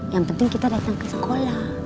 yang penting kita datang ke sekolah